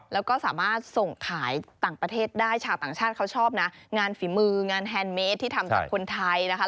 แล้วก็สามารถส่งขายต่างประเทศได้ชาวต่างชาติเขาชอบนะงานฝีมืองานแฮนดเมสที่ทำจากคนไทยนะคะ